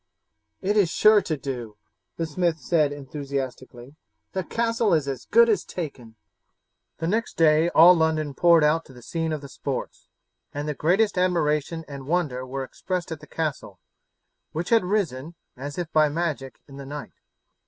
"It is sure to do," the smith said enthusiastically. "The castle is as good as taken." The next day all London poured out to the scene of the sports, and the greatest admiration and wonder were expressed at the castle, which had risen, as if by magic, in the night.